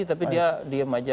tapi dia diem aja